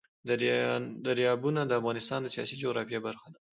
دریابونه د افغانستان د سیاسي جغرافیه برخه ده.